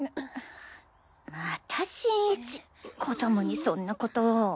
また新一子供にそんなことを。